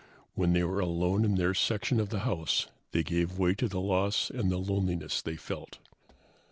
When they were alone in their section of the house they gave way to the loss and the loneliness they felt.